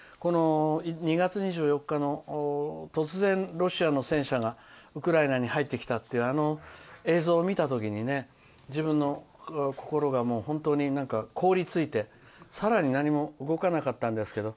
２月２４日の突然、ロシアの戦車がウクライナに入ってきたという映像を見た時に自分の心が本当に凍りついてさらに何も動かなかったんですけど。